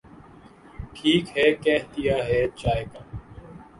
ٹھیک ہے کہ دیا ہے چائے کا۔۔۔